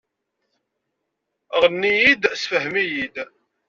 Ɣenni-iyi-d, ssefhem-iyi-d